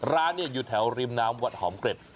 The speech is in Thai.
ร้านนี้อยู่แถวริมน้ำวัดหอมเกร็ด